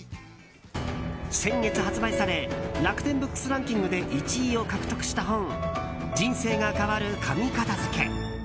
先月発売され楽天ブックスランキングで１位を獲得した本「人生が変わる紙片づけ！」。